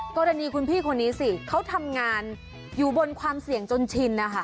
กรณีคุณพี่คนนี้สิเขาทำงานอยู่บนความเสี่ยงจนชินนะคะ